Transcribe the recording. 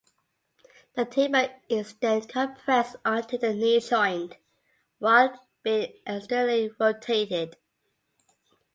The tibia is then compressed onto the knee joint while being externally rotated.